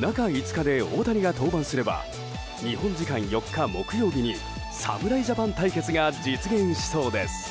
中５日で大谷が登板すれば日本時間４日、木曜日に侍ジャパン対決が実現しそうです。